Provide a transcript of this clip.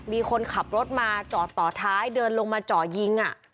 ที่มีการแบบมีคนขับรถมาเจาะต่อท้ายเดินลงมาเจาะยิง